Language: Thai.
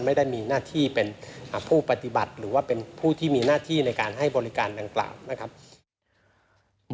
ไม่ได้มีหน้าที่เป็นผู้ปฏิบัติหรือว่าเป็นผู้ที่มีหน้าที่ในการให้บริการดังกล่าวนะครับ